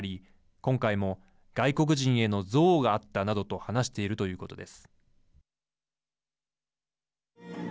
今回も外国人への憎悪があったなどと話しているということです。